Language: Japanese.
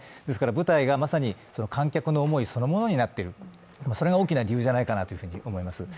舞台がまさに観客の思いそのものになっている、それが大きな理由じゃないかなと思います。